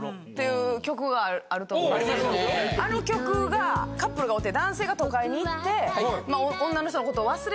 あの曲がカップルがおって。